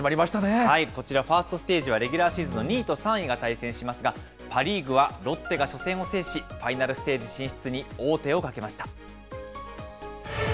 こちら、ファーストステージはレギュラーシーズンの２位と３位が対戦しますが、パ・リーグはロッテが初戦を制し、ファイナルステージ進出に王手をかけました。